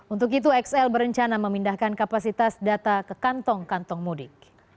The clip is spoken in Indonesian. untuk itu xl berencana memindahkan kapasitas data ke kantong kantong mudik